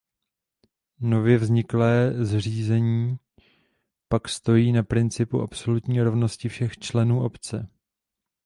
Nově vzniklé zřízení pak stojí na "principu absolutní rovnosti všech členů obce".